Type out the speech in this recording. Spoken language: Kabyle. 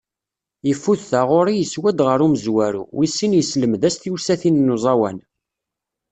Yeffud taγuṛi yeswa-d γer umezwaru, wis sin yesselmed-as tiwsatin n uẓawan.